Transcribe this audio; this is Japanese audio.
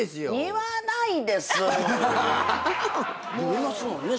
いますもんね